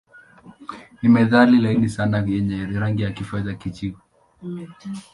Ni metali laini sana yenye rangi ya kifedha-kijivu.